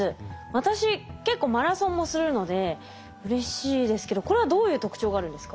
私結構マラソンもするのでうれしいですけどこれはどういう特徴があるんですか？